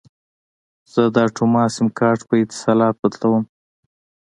زه د اټوما سیم کارت په اتصالات بدلوم.